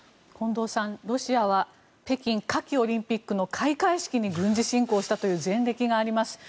近藤さん、ロシアは北京夏季オリンピックの開会式に軍事侵攻したという前歴があります。